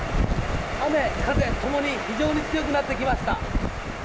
雨風共に非常に強くなってきました。